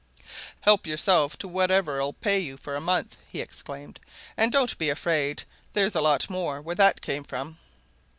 "Help yourself to whatever'll pay you for a month," he exclaimed. "And don't be afraid there's a lot more where that came from."